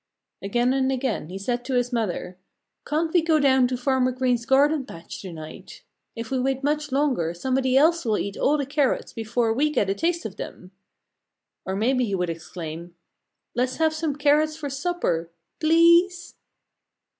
Again and again he said to his mother, "Can't we go down to Farmer Green's garden patch to night? If we wait much longer somebody else will eat all the carrots before we get a taste of them." Or maybe he would exclaim, "Let's have some carrots for supper! Please!"